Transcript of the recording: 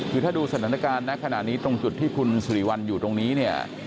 คือถ้าดูสถานการณ์ณขณะนี้ตรงจุดที่คุณสิริวัลอยู่ตรงนี้เนี่ย